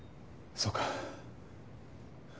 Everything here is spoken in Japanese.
そうか。